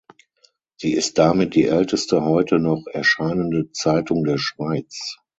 Sie ist damit die älteste heute noch erscheinende Zeitung der Schweiz.